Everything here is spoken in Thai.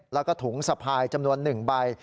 แล้วก็ถุงสะพายจำนวน๑ใบ